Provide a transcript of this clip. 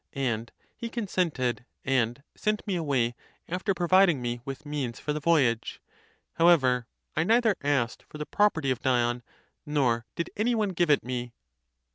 And he consented, and sent me away after providing me with means for the voyage. How ever, I neither asked for the property of Dion, nor did any one give it me.